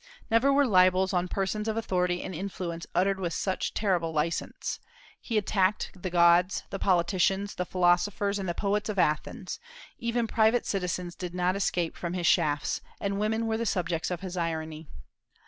Never were libels on persons of authority and influence uttered with such terrible license. He attacked the gods, the politicians, the philosophers, and the poets of Athens; even private citizens did not escape from his shafts, and women were the subjects of his irony.